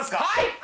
はい！